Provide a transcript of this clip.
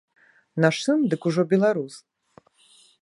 Наш сын дык ужо беларус.